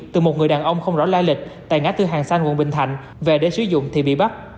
từ một người đàn ông không rõ lai lịch tại ngã tư hàng xanh quận bình thạnh về để sử dụng thì bị bắt